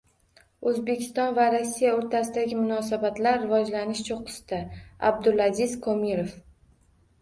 O‘zbekiston va Rossiya o‘rtasidagi munosabatlar rivojlanish cho‘qqisida — Abdulaziz Komilov